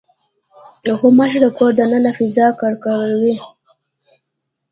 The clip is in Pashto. غوماشې د کور د دننه فضا ککړوي.